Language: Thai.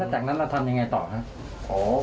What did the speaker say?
จากนั้นเราทำยังไงต่อครับ